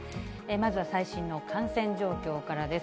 まずは最新の感染状況からです。